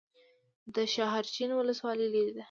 د شاحرچین ولسوالۍ لیرې ده